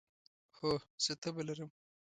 هو، زه تبه لرم